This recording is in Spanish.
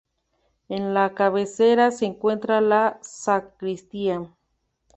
En la cabecera se encuentra la sacristía.